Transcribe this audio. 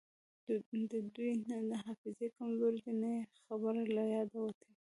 د دوی نه حافظې کمزورې دي نه یی خبره له یاده وتې